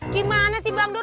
gimana sih bangdur